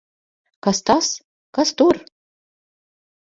Kas tas! Kas tur!